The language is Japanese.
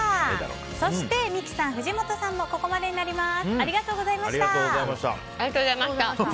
そして、三木さん、藤本さんはここまでになります。